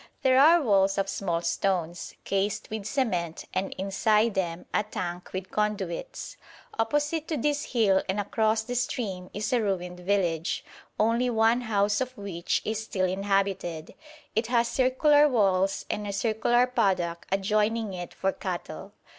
There are walls of small stones, cased with cement, and, inside them, a tank with conduits. Opposite to this hill, and across the stream, is a ruined village, only one house of which is still inhabited; it has circular walls and a circular paddock adjoining it for cattle.